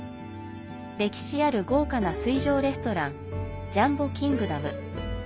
歴史ある豪華な水上レストランジャンボ・キングダム。